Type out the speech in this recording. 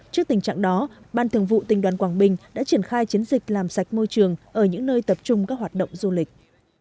trước tình trạng đó ban thường vụ tỉnh đoàn quảng bình đã triển khai chiến dịch làm sạch môi trường ở những nơi tập trung các hoạt động du lịch